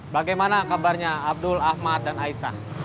bagaimana kabarnya abdul ahmad dan aisah